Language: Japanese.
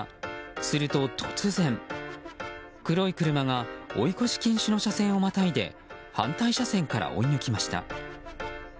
すると、突然黒い車が追い越し禁止の車線をまたいで反対車線から追い抜きました。